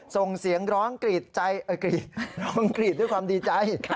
ส่งเสียงร้องกรีดใจกรีดร้องกรีดด้วยความดีใจ